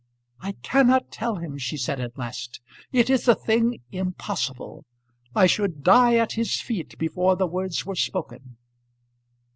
"I cannot tell him," she said at last. "It is a thing impossible. I should die at his feet before the words were spoken."